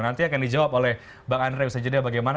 nanti akan dijawab oleh bang andre usajede bagaimana